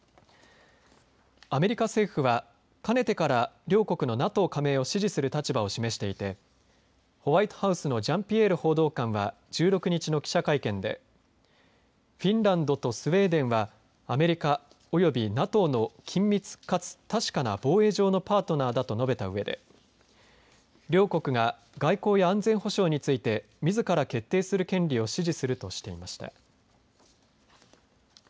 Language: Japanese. アメリカ政府はかねてから両国のＮＡＴＯ加盟を支持する立場を示していてホワイトハウスのジャンピエール報道官は１６日の記者会見でフィンランドとスウェーデンはアメリカ及びＮＡＴＯの緊密かつ確かな防衛上のパートナーだと述べたうえで両国が、外交や安全保障について自ら決定する権利を示しました。